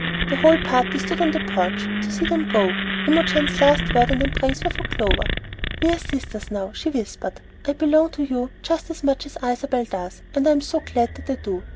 The whole party stood on the porch to see them go. Imogen's last word and embrace were for Clover. "We are sisters now," she whispered. "I belong to you just as much as Isabel does, and I am so glad that I do!